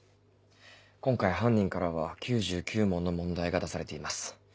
今回犯人からは９９問の問題が出されています。